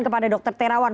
kepada dr tirawan